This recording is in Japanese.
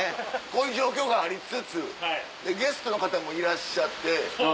こういう状況がありつつゲストの方もいらっしゃって。